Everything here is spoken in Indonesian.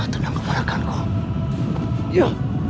tenang kemarahkan kau